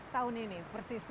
tahun ini persis